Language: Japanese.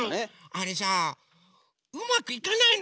あれさあうまくいかないのよ！